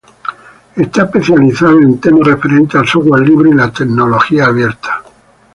Está especializada en temas referentes al software libre y tecnologías abiertas.